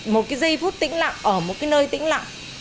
một cái giây phút tĩnh lặng ở một cái nơi tĩnh lặng